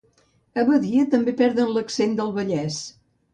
A Badia també perden l'accent del Vallès